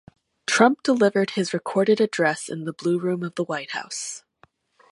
Trump delivered his recorded address in the Blue Room of the White House.